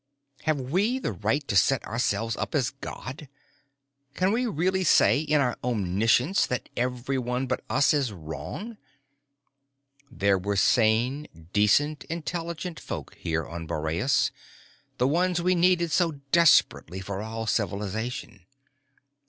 Have we the right to set ourselves up as God? Can we really say, in our omniscience, that everyone but us is wrong? There were sane, decent, intelligent folk here on Boreas, the ones we needed so desperately for all civilization.